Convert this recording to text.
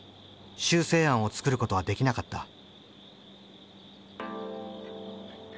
修正案を作ることはできなかった。